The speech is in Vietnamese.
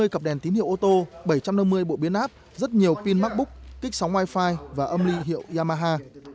ba trăm năm mươi cặp đèn tín hiệu ô tô bảy trăm năm mươi bộ biến áp rất nhiều pin macbook kích sóng wi fi và âm ly hiệu yamaha